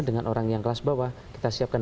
dengan orang yang kelas bawah kita siapkan